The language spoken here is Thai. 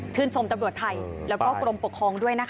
ชมตำรวจไทยแล้วก็กรมปกครองด้วยนะคะ